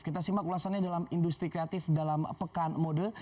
kita simak ulasannya dalam industri kreatif dalam pekan mode